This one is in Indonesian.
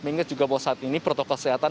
mengingat juga bahwa saat ini protokol kesehatan